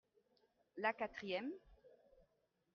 la quatrième.